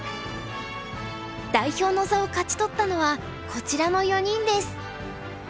代表の座を勝ち取ったのはこちらの４人です。